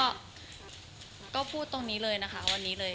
ก็พูดตรงนี้เลยนะคะวันนี้เลย